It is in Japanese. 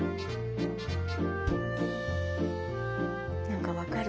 何か分かる。